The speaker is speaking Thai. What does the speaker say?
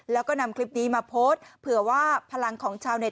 แล้วก็นำคลิปนี้มาโพสต์เผื่อว่าพลังของชาวเต็